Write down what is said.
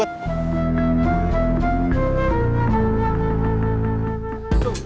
terima kasih bang